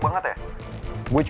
jangan biarkan dia bu